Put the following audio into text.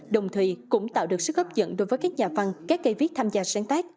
đồng thời cũng tạo được sức hấp dẫn đối với các nhà văn các cây viết tham gia sáng tác